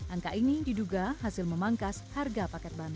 angka ini diduga hasil memangkas harga paket bantuan